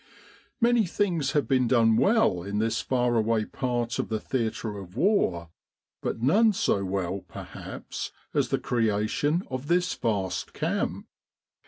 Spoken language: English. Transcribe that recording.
Many things have been done well in this far away part of the theatre of the War, but none so well perhaps as the creation of this vast camp.